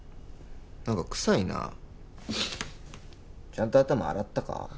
何か臭いなちゃんと頭洗ったか？